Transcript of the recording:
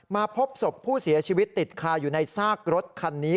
พบศพผู้เสียชีวิตติดคาอยู่ในซากรถคันนี้